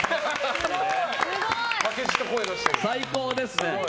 最高ですね。